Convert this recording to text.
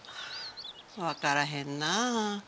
わからへんなぁ。